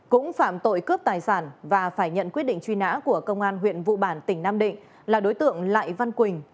cũng phạm tội cướp tài sản và phải nhận quyết định truy nã của công an huyện vụ bản tỉnh nam định là đối tượng lại văn quỳnh